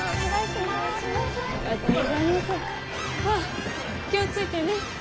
あぁ気を付いてね。